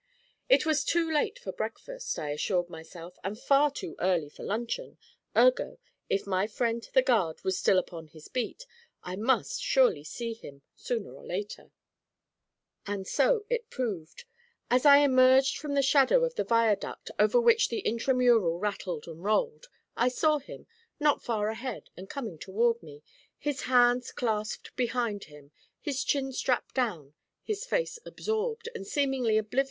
It was too late for breakfast, I assured myself, and far too early for luncheon, ergo, if my friend the guard was still upon his beat, I must surely see him, sooner or later. And so it proved. As I emerged from the shadow of the viaduct, over which the Intramural rattled and rolled, I saw him, not far ahead and coming toward me, his hands clasped behind him, his chin strap down, his face absorbed, and seemingly oblivious of all about him.